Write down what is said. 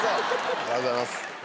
ありがとうございます。